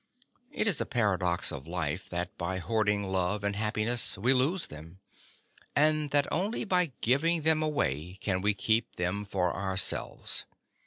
It is a paradox of life that by hoarding love and happiness we lose them, and that only by giving them away can we keep them for ourselves.